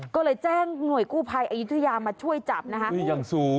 ก็เลยแจ้งหน่วยกู้ภัยอายุทยามาช่วยจับนะคะ